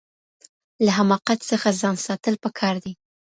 له حماقت څخه ځان ساتل پکار دي.